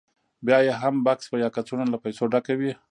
بیا یې هم بکس یا کڅوړه له پیسو ډکه وي